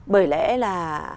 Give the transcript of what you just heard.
bởi lẽ là